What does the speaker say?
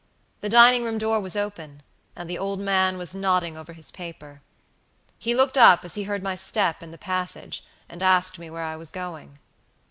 The dining room door was open, and the old man was nodding over his paper. He looked up as he heard my step in the passage, and asked me where I was going.